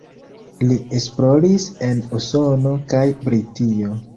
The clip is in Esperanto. Li esploris en Usono kaj Britio.